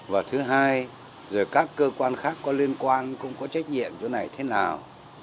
và thứ hai rồi các cơ quan khác có liên quan cũng có trách nhiệm chỗ này thế nào